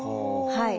はい。